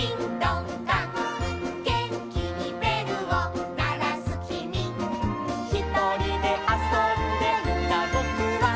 「げんきにべるをならすきみ」「ひとりであそんでいたぼくは」